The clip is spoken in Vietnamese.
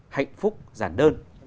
hạnh phúc giản đơn